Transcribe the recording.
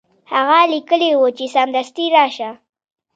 هغه لیکلي وو چې سمدستي راشه.